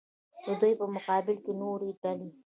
د دوی په مقابل کې نورې ډلې.